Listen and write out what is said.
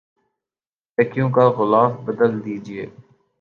تکیوں کا غلاف بدل دیجئے